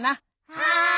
はい！